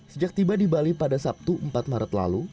sejak tiba di bali pada sabtu empat maret lalu